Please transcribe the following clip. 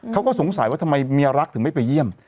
เขาก็สงสัยว่าทำไมเมียรักถึงไม่ไปเยี่ยม